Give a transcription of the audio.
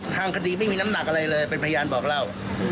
ทางคดีไม่มีน้ำหนักอะไรเลยเป็นพยานบอกเล่า